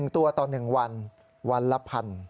๑ตัวต่อ๑วันวันละ๑๐๐๐บาท